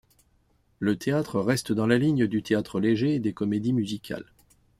Le théâtre reste dans la ligne du théâtre léger et des comédies musicales.